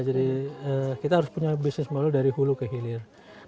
jadi kita harus punya bisnis model dari hulu ke hilir